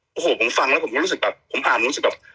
มึ่งฟังแล้วผมจะรู้สึกแบบผมมีอาจรู้สึกแบบ